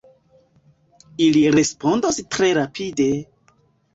Ili respondos tre rapide!